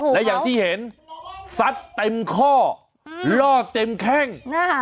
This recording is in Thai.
และอย่างที่เห็นซัดเต็มข้อลอกเต็มแข้ง